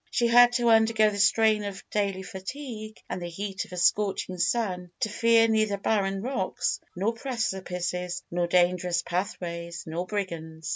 She had to undergo the strain of daily fatigue and the heat of a scorching sun; to fear neither barren rocks, nor precipices, nor dangerous pathways, nor brigands.